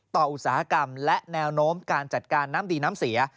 อุตสาหกรรมและแนวโน้มการจัดการน้ำดีน้ำเสีย